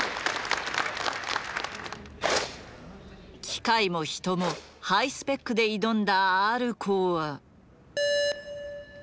機械も人もハイスペックで挑んだＲコーは。